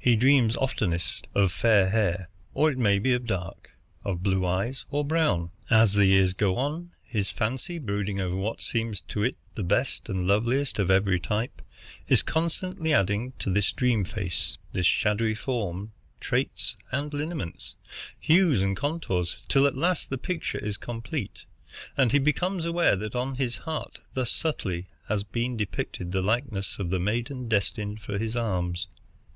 He dreams oftenest of fair hair, or may be of dark, of blue eyes or brown. As the years go on, his fancy, brooding over what seems to it the best and loveliest of every type, is constantly adding to this dream face, this shadowy form, traits and lineaments, hues and contours, till at last the picture is complete, and he becomes aware that on his heart thus subtly has been depicted the likeness of the maiden destined for his arms.